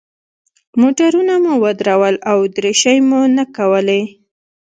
موټرونه مو ودرول او دریشۍ مو نه کولې.